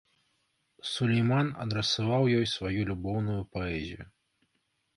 Сулейман адрасаваў ёй сваю любоўную паэзію.